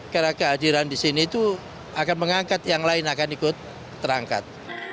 karena kehadiran di sini itu akan mengangkat yang lain akan ikut terangkat